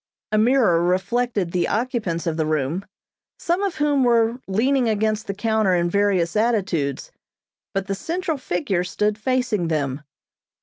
A mirror reflected the occupants of the room, some of whom were leaning against the counter in various attitudes, but the central figure stood facing them.